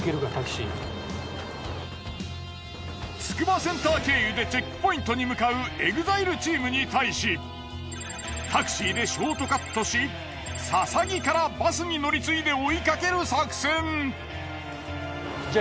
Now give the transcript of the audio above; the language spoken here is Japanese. つくばセンター経由でチェックポイントに向かうＥＸＩＬＥチームに対しタクシーでショートカットし大角豆からバスに乗り継いで追いかける作戦。